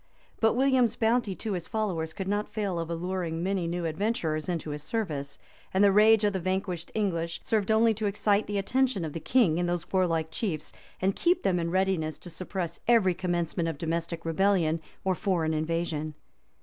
[*] But William's bounty to his followers could not fail of alluring many new adventurers into his service; and the rage of the vanquished English served only to excite the attention of the king and those warlike chiefs, and keep them in readiness to suppress every commencement of domestic rebellion or foreign invasion.